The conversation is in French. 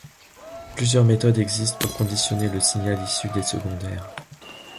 Plusieurs méthodes existent pour conditionner le signal issu des secondaires.